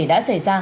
đã xảy ra